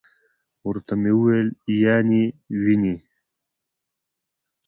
ورته ومي ویل: یا نې وینې .